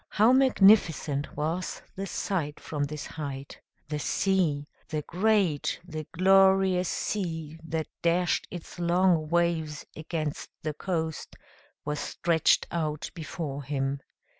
How magnificent was the sight from this height! The sea the great, the glorious sea, that dashed its long waves against the coast was stretched out before him.